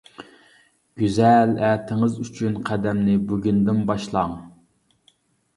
گۈزەل ئەتىڭىز ئۈچۈن قەدەمنى بۈگۈندىن باشلاڭ!